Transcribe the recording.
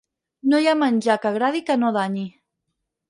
No hi ha menjar que agradi que no danyi.